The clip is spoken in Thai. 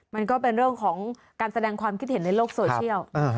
มันก็เป็นเรื่องของการแสดงความคิดเห็นในโลกโซเชียล